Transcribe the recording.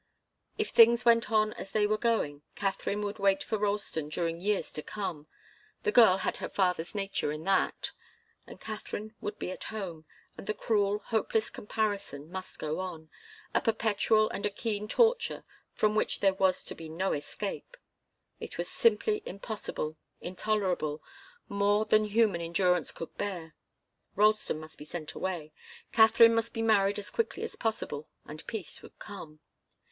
If things went on as they were going, Katharine would wait for Ralston during years to come the girl had her father's nature in that and Katharine would be at home, and the cruel, hopeless comparison must go on, a perpetual and a keen torture from which there was to be no escape. It was simply impossible, intolerable, more than human endurance could bear. Ralston must be sent away, Katharine must be married as quickly as possible, and peace would come.